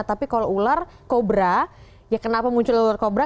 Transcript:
tapi kalau ular kobra ya kenapa muncul ular kobra